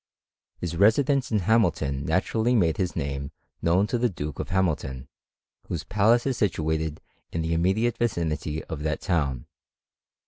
His residence in Hamilton naturally made his name known to the Duke of Hamilton, whose palace is situated in the immediate vicinity of that town.